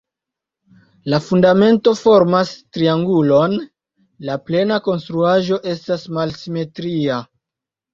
La fundamento formas triangulon, la plena konstruaĵo estas malsimetria.